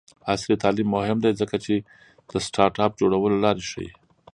عصري تعلیم مهم دی ځکه چې د سټارټ اپ جوړولو لارې ښيي.